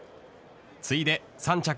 次いで３着